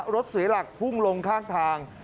รถเสียหลักพุ่งลงข้างทาง